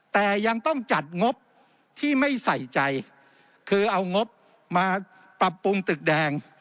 แต่ยังต้องจัดงบที่ไม่ใส่ใจคือเอางบมาปรับปรุงตึกแดง